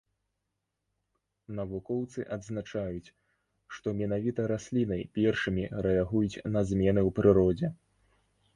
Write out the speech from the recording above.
Навукоўцы адзначаюць, што менавіта расліны першымі рэагуюць на змены ў прыродзе.